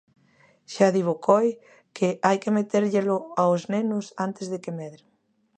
Xa di Bocoi que hai que metérllelo aos nenos antes de que medren.